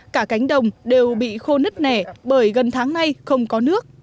cả cánh đồng đều bị khô nứt nẻ bởi gần tháng nay không có nước